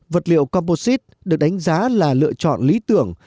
vật liệu composite được đánh giá là lựa chọn lý tưởng